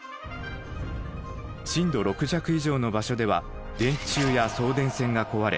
震度６弱以上の場所では電柱や送電線が壊れ